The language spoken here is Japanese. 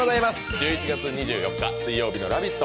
１１月２４日水曜日の「ラヴィット！」